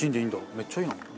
めっちゃいいな。